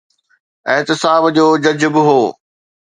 احتساب جو جج به هو.